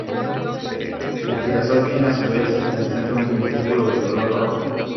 El girasol tiene a su vez en el centro un semicírculo de color rojo.